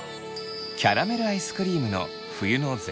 キャラメルアイスクリームの冬のぜいたくパフェ。